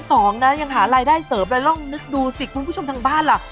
สองนะยังหารายได้เสริมแล้วลองนึกดูสิคุณผู้ชมทางบ้านล่ะ